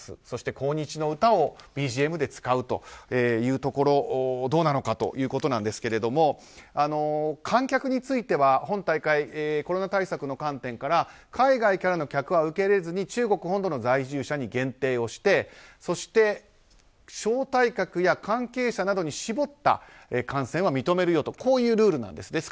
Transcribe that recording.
そして抗日の歌をＢＧＭで使うというところはどうなのかということですが観客については本大会、コロナ対策の観点から海外からの客は受け入れずに中国本土の在住者に限定をしてそして、招待客や関係者などに絞った観戦は認めるとこういうルールなんです。